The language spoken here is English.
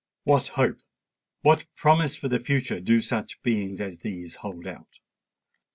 What hope—what promise for the future do such beings as these hold out?